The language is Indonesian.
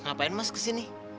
ngapain mas kesini